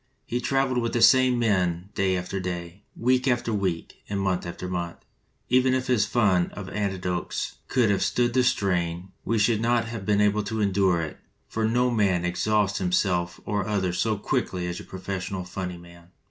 "He traveled with the same men day after day, week after week, and month after month. Even if his fund of anecdotes could have stood the strain, we should not have been able to endure it, for no man exhausts him self or others so quickly as your professional funny man."